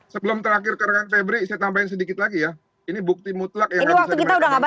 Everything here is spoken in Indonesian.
sebelum terakhir ke rekan febri saya tambahin sedikit lagi ya ini bukti mutlak yang nggak bisa dimakan